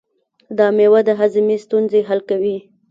دا مېوه د هاضمې ستونزې حل کوي.